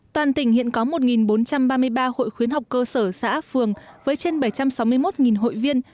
toàn tỉnh hiện có một bốn trăm ba mươi ba hội khuyến học cơ sở xã phường với trên bảy trăm sáu mươi một hội viên